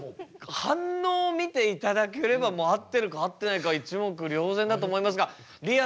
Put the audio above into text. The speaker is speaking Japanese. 反応を見ていただければもう合ってるか合ってないか一目瞭然だと思いますがりあ